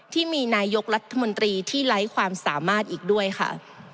ที่มีนายกรัฐมนตรีที่ไร้ความสามารถอีกด้วยค่ะ